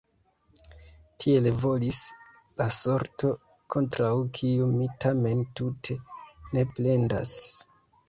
Tiel volis la sorto, kontraŭ kiu mi tamen tute ne plendas.